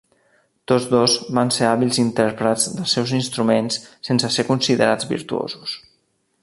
Tots dos van ser hàbils intèrprets dels seus instruments sense ser considerats virtuosos.